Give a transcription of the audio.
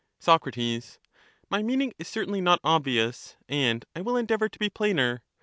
Soc. My meaning is certainly not obvious, and I will endeavour to be plainer.